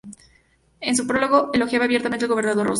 En su prólogo, elogiaba abiertamente al gobernador Rosas.